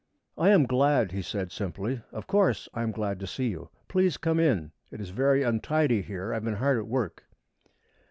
"I am glad," he said simply. "Of course I am glad to see you! Please come in. It is very untidy here. I have been hard at work."